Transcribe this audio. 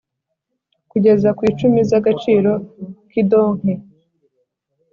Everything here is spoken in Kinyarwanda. Kugeza ku icumi z’ agaciro k’ indonke